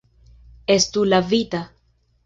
Estu lavita.